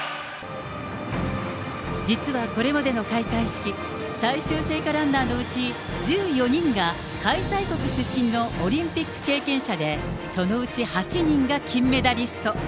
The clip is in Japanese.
実はこれまでの開会式、最終聖火ランナーのうち１４人が、開催国出身のオリンピック経験者で、そのうち８人が金メダリスト。